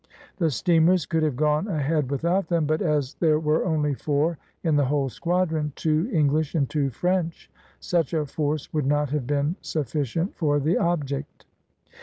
The steamers could have gone ahead without them, but as there were only four in the whole squadron, two English and two French, such a force would not have been sufficient for the object.